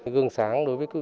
gương sáng đối với cụ